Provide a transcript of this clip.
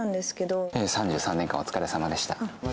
３３年間、お疲れさまでした。